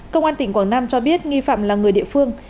công an tỉnh quảng nam cho biết nghi phạm là người địa phương